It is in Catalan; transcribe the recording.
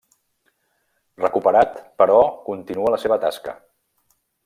Recuperat, però, continuà la seva tasca.